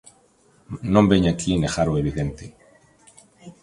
Non veña aquí negar o evidente.